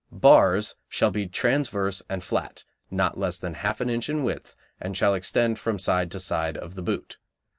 Bars shall be transverse and flat, not less than half an inch in width, and shall extend from side to side of the boot.